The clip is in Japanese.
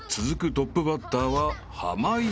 トップバッターは濱家］